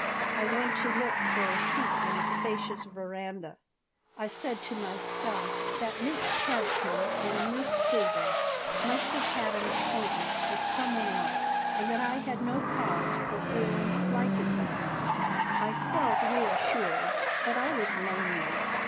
I went to look for a seat on the spacious veranda. I said to myself that Miss Tevkin and Miss Siegel must have had an appointment with some one else and that I had no cause for feeling slighted by them I felt reassured, but I was lonely.